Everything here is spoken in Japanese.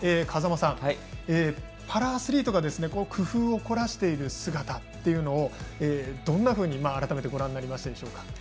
風間さん、パラアスリートが工夫を凝らしている姿をどんなふうに改めてご覧になりましたか。